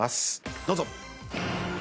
どうぞ。